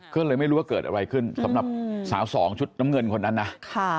ก็เลยไม่รู้ว่าเกิดอะไรขึ้นสำหรับสาวสองชุดน้ำเงินคนนั้นนะ